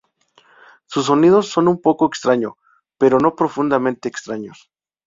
Sus sonidos son un poco extraño, pero no profundamente extraños.